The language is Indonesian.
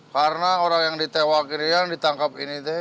karena orang yang ditewakirin ditangkap ini tuh